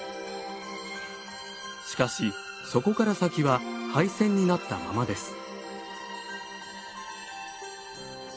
しかしそこから先は廃線になったままです。